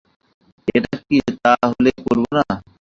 এটা কি তা হলে কবর না?